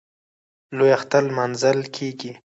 لوی اختر نماځل کېږي.